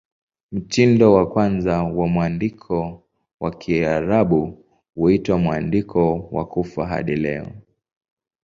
Mtindo wa kwanza wa mwandiko wa Kiarabu huitwa "Mwandiko wa Kufa" hadi leo.